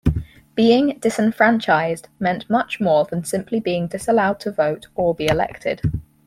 Being disenfranchised meant much more than simply being disallowed to vote or be elected.